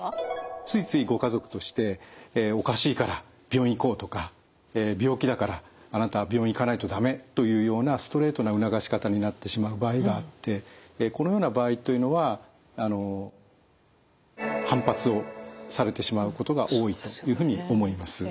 ついついご家族として「おかしいから病院行こう」とか「病気だからあなたは病院行かないと駄目」というようなストレートな促し方になってしまう場合があってこのような場合というのは反発をされてしまうことが多いというふうに思います。